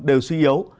đều suy yếu